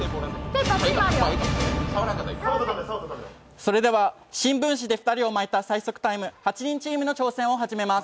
それでは、新聞紙で二人を包む最速の時間、８人チームの挑戦を始めます。